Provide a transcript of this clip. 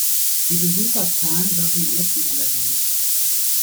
Die Besucherzahlen variierten allerdings.